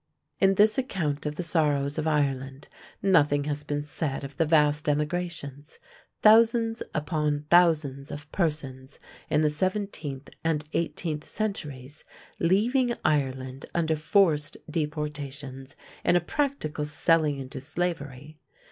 In this account of the Sorrows of Ireland nothing has been said of the vast emigrations, thousands upon thousands of persons in the seventeenth and eighteenth centuries leaving Ireland under forced deportations, in a practical selling into slavery.